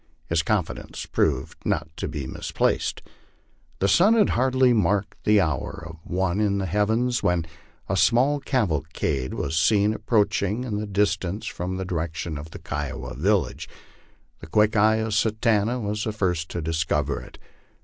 His confidence proved not to be misplaced. The sun had hardly marked the hour of one in the heavens, when a small cavalcade was seen approaching in the distance from the direction of the Kiowa village. The quick eye of Satanta was the first to discover it.